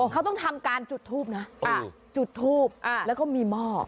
เขาต้องทำการจุดทูบนะจุดทูบแล้วก็มีหม้อ